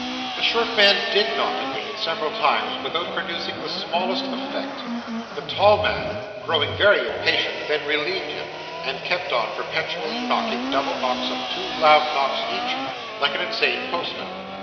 The short man did knock again several times, without producing the smallest effect. The tall man, growing very impatient, then relieved him, and kept on perpetually knocking double knocks of two loud knocks each, like an insane postman.